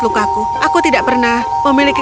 lukaku aku tidak pernah memiliki